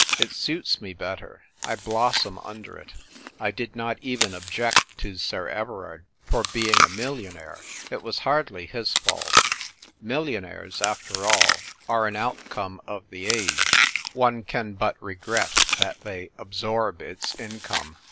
It suits me better. I blossom under it. I did not even object to Sir Everard for being a millionaire; it was hardly his fault; million aires, after all, are an outcome of the age : one can but regret that they absorb its income.